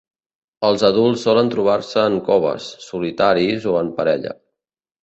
Els adults solen trobar-se en coves, solitaris o en parella.